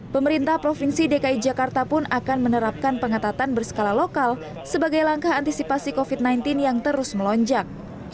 pemerintah provinsi dki jakarta pun akan menerapkan pengetatan berskala lokal sebagai langkah antisipasi covid sembilan belas yang terus melonjak